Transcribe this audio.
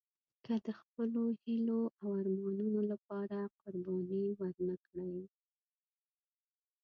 که د خپلو هیلو او ارمانونو لپاره قرباني ورنه کړئ.